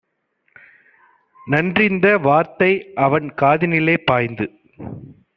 நன்றிந்த வார்த்தைஅவன் காதினிலே பாய்ந்து